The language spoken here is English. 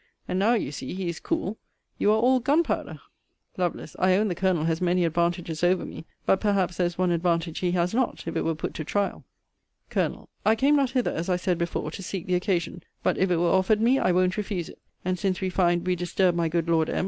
And now you see he is cool, you are all gunpowder. Lovel. I own the Colonel has many advantages over me; but, perhaps, there is one advantage he has not, if it were put to the trial. Col. I came not hither, as I said before, to seek the occasion: but if it were offered me, I won't refuse it and since we find we disturb my good Lord M.